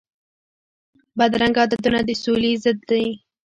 بدرنګه عادتونه د سولي ضد دي